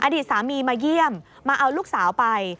อดีตสามีมาเยี่ยมมาเอาลูกสาวไป